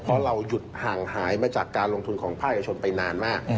เพราะเราหยุดห่างหายมาจากการลงทุนของภาคเอกชนไปนานมาก